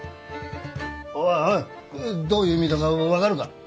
おいおいどういう意味だか分かるか？